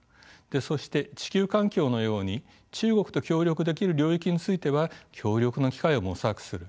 そして地球環境のように中国と協力できる領域については協力の機会を模索する。